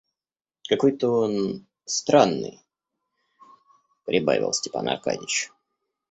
Какой-то он странный, — прибавил Степан Аркадьич.